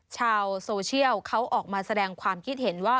ชาวโซเชียลเขาออกมาแสดงความคิดเห็นว่า